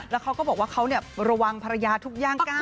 แล้วเขาก็บอกว่าเขาระวังภรรยาทุกย่างก้าว